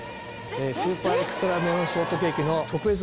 スーパーエクストラメロンショートケーキの。